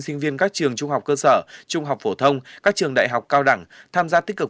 sinh viên các trường trung học cơ sở trung học phổ thông các trường đại học cao đẳng tham gia tích cực